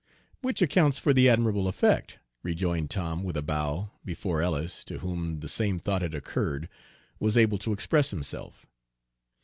"Which accounts for the admirable effect," rejoined Tom with a bow, before Ellis, to whom the same thought had occurred, was able to express himself.